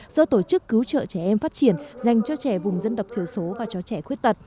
do tổ chức cứu trợ trẻ em phát triển dành cho trẻ vùng dân tộc thiểu số và cho trẻ khuyết tật